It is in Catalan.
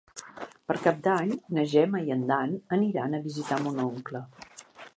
Per Cap d'Any na Gemma i en Dan aniran a visitar mon oncle.